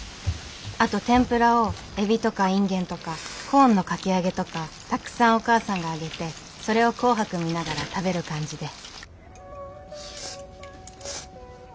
あと天ぷらをエビとかインゲンとかコーンのかき揚げとかたくさんお母さんが揚げてそれを「紅白」見ながら食べる感じで。